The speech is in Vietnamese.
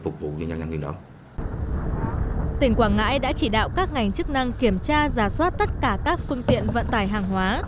tỉnh quảng ngãi đã chỉ đạo các ngành chức năng kiểm tra giả soát tất cả các phương tiện vận tải hàng hóa